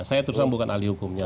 saya terusan bukan ahli hukumnya